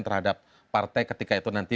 terhadap partai ketika itu nanti